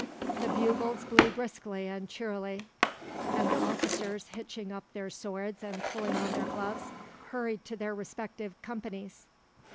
The bugles blew briskly and cheerily, and the officers, hitching up their swords and pulling on their gloves, hurried to their respective companies.